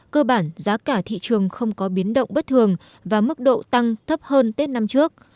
cơ bản giá cả thị trường không có biến động bất thường và mức độ tăng thấp hơn tết năm trước